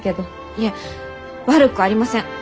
いえ悪くありません！